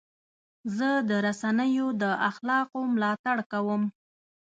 زه د رسنیو د اخلاقو ملاتړ کوم.